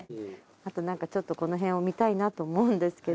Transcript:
あとなんかちょっとこの辺を見たいなと思うんですけど。